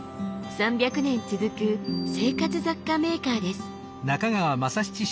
３００年続く生活雑貨メーカーです。